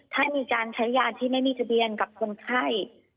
ถ้ามีการใช้ยาที่ไม่มีทะเบียนกับคนไข้